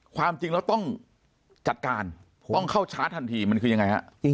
ความจริงแล้วต้องจัดการต้องเข้าชาร์จทันทีมันคือยังไงฮะ